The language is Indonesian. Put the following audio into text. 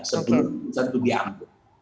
sebelum itu diambil